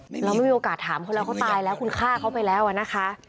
เราไม่มีโอกาสถามเขาแล้วเขาตายแล้วคุณฆ่าเขาไปแล้วอะนะคะ